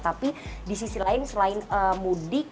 tapi di sisi lain selain mudik